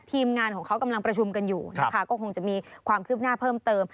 ทีมงานของเขากำลังประชุมกันอยู่นะคะก็คงจะมีความคืบหน้าเพิ่มเติม